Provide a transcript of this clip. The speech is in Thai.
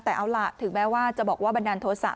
แต่เอาล่ะถึงแม้ว่าจะบอกว่าบันดาลโทษะ